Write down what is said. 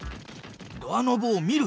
ドアノブを見る。